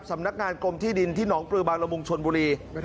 สำนักงานกรมที่ดินที่หนองปลือบางละมุงชนบุรี